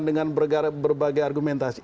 dengan berbagai argumentasi